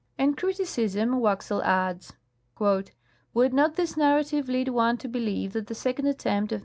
In criticism Waxel adds :." Would not this narrative lead one to believe that tlie second attempt of M.